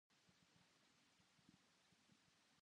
土日休み。